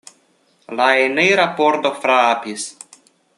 La enira pordo frapis.